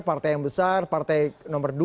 partai yang besar partai nomor dua